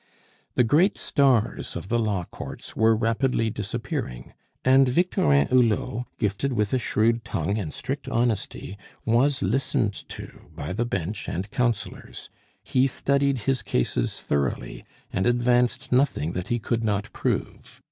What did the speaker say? The great stars of the law courts were rapidly disappearing; and Victorin Hulot, gifted with a shrewd tongue and strict honesty, was listened to by the Bench and Councillors; he studied his cases thoroughly, and advanced nothing that he could not prove.